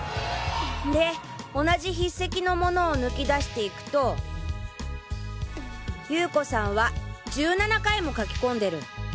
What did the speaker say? で同じ筆跡のものを抜き出していくと裕子さんは１７回も書き込んでる。